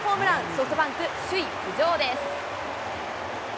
ソフトバンク、首位浮上です。